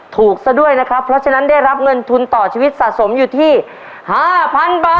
ถูกซะด้วยนะครับเพราะฉะนั้นได้รับเงินทุนต่อชีวิตสะสมอยู่ที่๕๐๐๐บาท